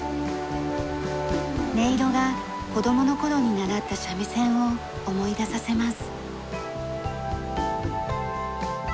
音色が子供の頃に習った三味線を思い出させます。